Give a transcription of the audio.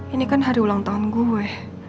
ini kan hari ulang tahun gue